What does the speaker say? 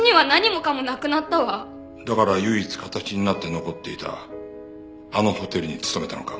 だから唯一形になって残っていたあのホテルに勤めたのか？